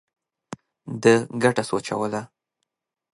ده ګټه سوچوله.